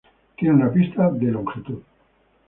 Tiene una pista de de longitud.